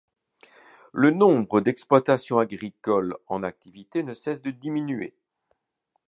Le nombre d'exploitations agricoles en activités ne cesse de diminuer.